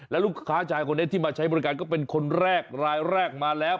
แล้วลูกค้าชายคนนี้ที่มาใช้บริการก็เป็นคนแรกรายแรกมาแล้ว